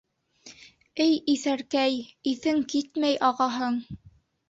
Эй, иҫәркәй, Иҫең китмәй ағаһың.